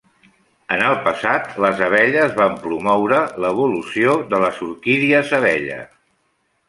En el passat, les abelles van promoure l'evolució de les orquídies abella.